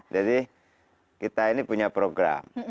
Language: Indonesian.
jadi kita ini punya program